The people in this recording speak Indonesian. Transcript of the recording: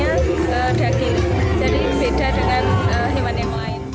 jadi beda dengan hewan yang lain